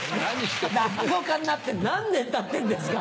落語家になって何年たってんですか。